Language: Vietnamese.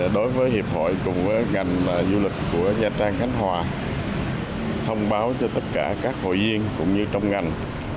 đối với hiệp hội cùng với ngành du lịch của nha trang khánh hòa thông báo cho tất cả các hội viên cũng như trong ngành